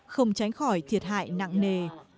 không tránh khỏi thiệt hại nặng nề